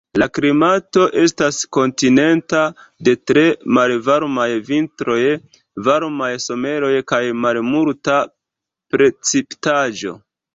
La klimato estas kontinenta de tre malvarmaj vintroj, varmaj someroj kaj malmulta precipitaĵo.